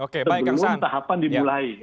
sebelum tahapan dimulai